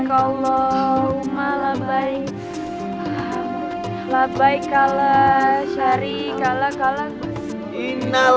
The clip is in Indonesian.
kualitasnya bagus banget